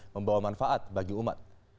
membawa manfaat bagi umat